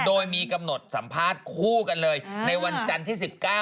โดยมีกำหนดสัมภาษณ์คู่กันเลยในวันจันทร์ที่๑๙